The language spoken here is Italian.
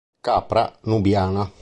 Capra nubiana